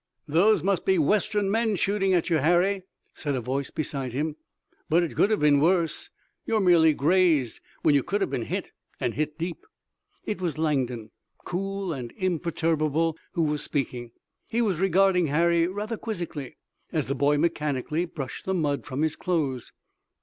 "Those must be western men shooting at you, Harry," said a voice beside him. "But it could have been worse. You're merely grazed, when you could have been hit and hit deep." It was Langdon, cool and imperturbable, who was speaking. He was regarding Harry rather quizzically, as the boy mechanically brushed the mud from his clothes.